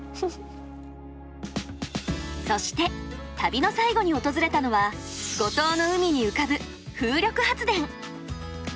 そして旅の最後に訪れたのは五島の海に浮かぶ風力発電。